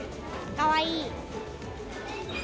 かわいい。